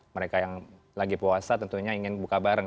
mereka yang lagi puasa tentunya ingin buka bareng